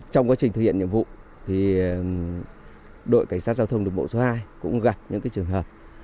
trong quá trình thực hiện nhiệm vụ đội cảnh sát giao thông được bộ số hai cũng gặp những trường hợp